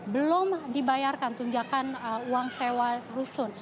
belum dibayarkan tunjakan uang sewa rusun